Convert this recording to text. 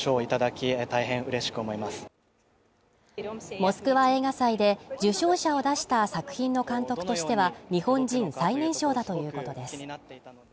モスクワ映画祭で受賞者を出した作品の監督としては日本人最年少だということです。